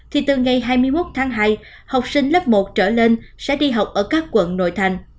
thì từ ngày hai mươi một tháng hai học sinh lớp một trở lên sẽ đi học ở các quận nội thành